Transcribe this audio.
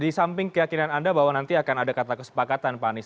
di samping keyakinan anda bahwa nanti akan ada kata kesepakatan pak anies